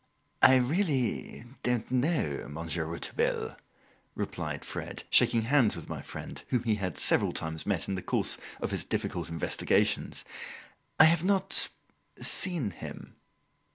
"I really don't know, Monsieur Rouletabille," replied Fred, shaking hands with my friend, whom he had several times met in the course of his difficult investigations. "I have not seen him."